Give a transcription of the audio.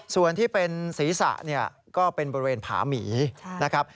ส่วนที่เป็นศีรษะเนี่ยก็เป็นบริเวณผาหมีนะครับ